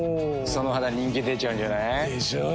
その肌人気出ちゃうんじゃない？でしょう。